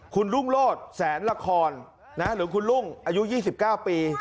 คุณรุ่งโลศแสนละครหรือคุณรุ่งอายุ๒๙ปี